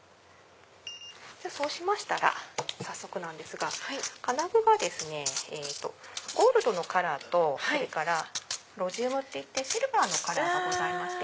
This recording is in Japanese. そうしましたら早速なんですが金具がゴールドのカラーとそれからロジウムっていってシルバーのカラーがございまして。